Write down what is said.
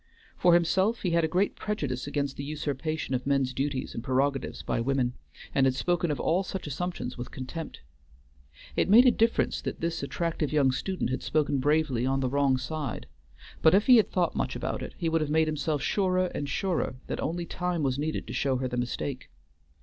For himself he had a great prejudice against the usurpation of men's duties and prerogatives by women, and had spoken of all such assumptions with contempt. It made a difference that this attractive young student had spoken bravely on the wrong side; but if he had thought much about it he would have made himself surer and surer that only time was needed to show her the mistake.